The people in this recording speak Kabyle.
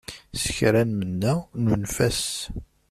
S kra nmenna, nunef-as.